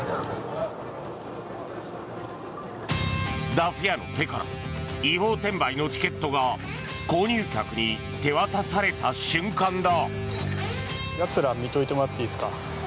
ダフ屋の手から違法転売のチケットが購入客に手渡された瞬間だ。